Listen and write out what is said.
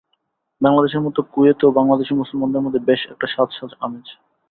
বাংলাদেশের মতো কুয়েতেও বাংলাদেশি মুসলমানদের মধ্যে বেশ একটা সাজ সাজ আমেজ।